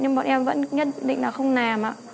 nhưng bọn em vẫn nhất định là không làm ạ